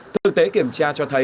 thực tế kiểm tra cho thấy